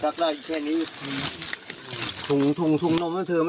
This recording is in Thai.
แดดตรงนี้ฝนนึงอึดไง